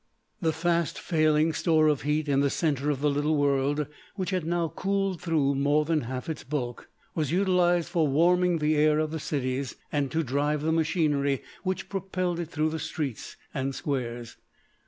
The fast failing store of heat in the centre of the little world, which had now cooled through more than half its bulk, was utilised for warming the air of the cities, and to drive the machinery which propelled it through the streets and squares.